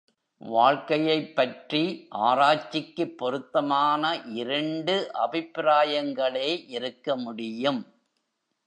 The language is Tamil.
வாழ்க்கையைப் பற்றி ஆராய்ச்சிக்குப் பொருத்தமான இரண்டு அபிப்பிராயங்களே இருக்க முடியும்.